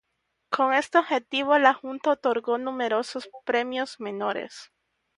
Con este objetivo, la Junta otorgó numerosos premios menores.